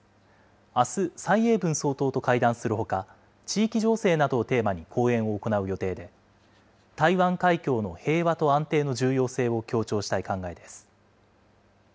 あす、蔡英文総統と会談するほか地域情勢などをテーマに講演を行う予定で、台湾海峡の平和と安定の重要性を強調したい考えです。